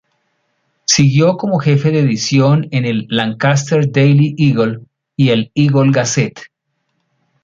Siguió como jefe de edición en el "Lancaster Daily Eagle" y el "Eagle Gazette".